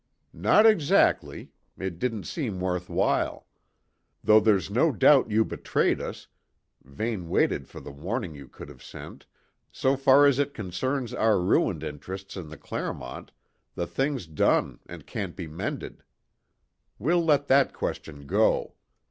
"Not exactly; it didn't seem worth while. Though there's no doubt you betrayed us Vane waited for the warning you could have sent so far as it concerns our ruined interests in the Clermont, the thing's done and can't be mended. We'll let that question go.